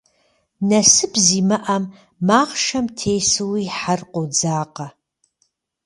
Насып зимыӏэм, махъшэм тесууи, хьэр къодзакъэ.